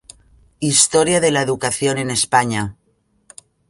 Historia de la educación en España.